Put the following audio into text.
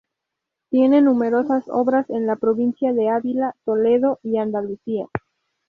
Tiene numerosas obras en la provincia de Ávila, Toledo y Andalucía.